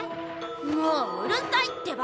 もううるさいってば！